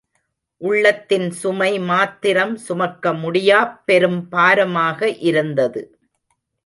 உள்ளத்தின் சுமை மாத்திரம் சுமக்க முடியாப் பெரும் பாரமாக இருந்தது.